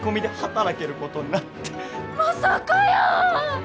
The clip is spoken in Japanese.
まさかやー！